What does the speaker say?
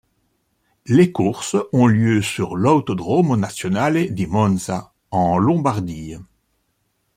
Les courses ont lieu sur l'Autodromo Nazionale di Monza, en Lombardie.